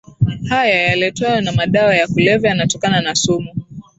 haya yaletwayo na madawa ya kulevya yanatokana na sumu